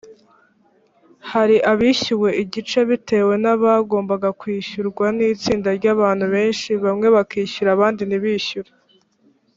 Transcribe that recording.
hari abishyuwe igice bitewe n’abagombaga kwishyurwa n’itsinda ry’abantu benshi bamwe bakishyura abandi ntibishyure